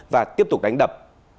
và tiếp tục đánh đập